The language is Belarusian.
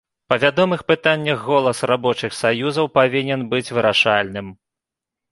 Па вядомых пытаннях голас рабочых саюзаў павінен быць вырашальным.